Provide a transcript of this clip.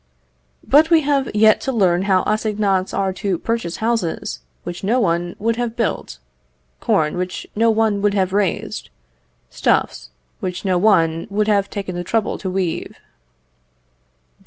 But we have yet to learn how assignats are to purchase houses, which no one would have built; corn, which no one would have raised; stuffs, which no one would have taken the trouble to weave.